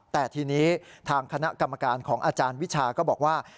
แต่ทีนี้ทางคณะกรรมการของอาจารย์วิชาก็บอกว่า